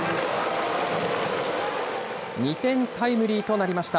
２点タイムリーとなりました。